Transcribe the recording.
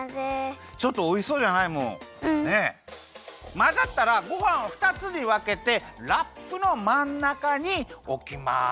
まざったらごはんをふたつにわけてラップのまんなかにおきます！